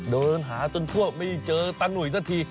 เดินหาจนทั่วไม่เจอตาหนุ่ยสักที